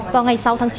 vào ngày sáu tháng chín